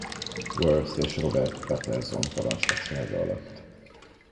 Worth és Robert Patterson parancsnoksága alatt.